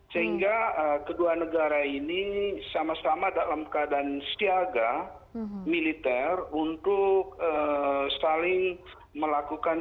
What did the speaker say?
sehingga kedua negara ini sama sama dalam keadaan siaga militer untuk saling melakukan